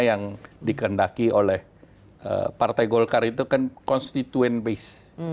yang dikendaki oleh partai golkar itu kan constituent base